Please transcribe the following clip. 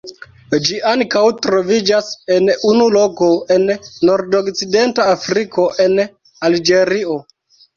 Ĝi ankaŭ troviĝas en unu loko en nordokcidenta Afriko en Alĝerio.